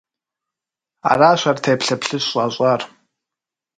Аращ ар теплъэ плъыжь щӏащӏар.